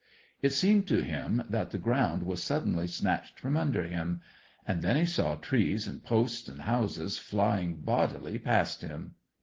It seemed to him that the ground was suddenly snatched from under him, and then he saw trees and posts and houses flying bodily past him.